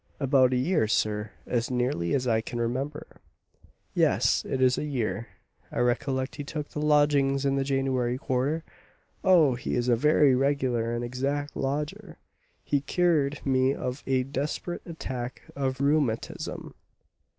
"About a year, sir, as nearly as I can remember, yes, it is a year; I recollect he took the lodgings in the January quarter. Oh, he is a very regular and exact lodger; he cured me of a desperate attack of rheumatism."